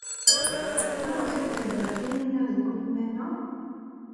Maɣef ay tezdeɣ Taninna deg ugmam-a?